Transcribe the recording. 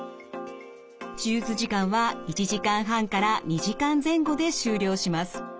手術時間は１時間半から２時間前後で終了します。